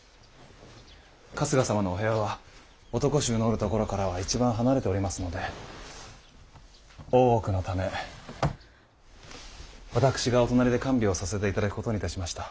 春日様のお部屋は男衆のおるところからは一番離れておりますので大奥のため私がお隣で看病させて頂くことにいたしました。